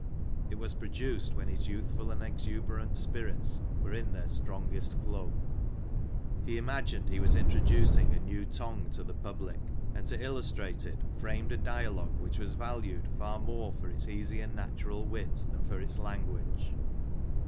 It was produced when his youthftd and exhuberant spirits were in their strongest flow. He imagined he was introducing a new tongue to the public, and to illustrate it framed a dialogue, which was valued far more for its easy and natural wit than for its language.